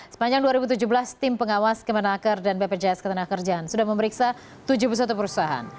sepanjang dua ribu tujuh belas tim pengawas kemenaker dan bpjs ketenagakerjaan sudah memeriksa tujuh puluh satu perusahaan